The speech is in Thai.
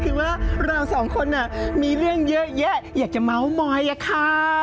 คือว่าเราสองคนมีเรื่องเยอะแยะอยากจะเมาส์มอยอะค่ะ